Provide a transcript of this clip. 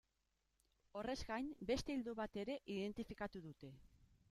Horrez gain, beste ildo bat ere identifikatu dute.